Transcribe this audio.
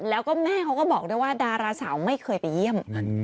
แล้วก็แม่เขาก็บอกด้วยว่าดาราสาวไม่เคยไปเยี่ยม